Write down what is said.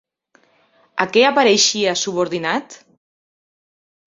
A què apareixia subordinat?